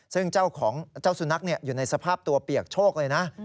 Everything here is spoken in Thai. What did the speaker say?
ซึ่งเจ้าของเจ้าสุนัขอยู่ในสภาพตัวเปียกโชคเลยนะ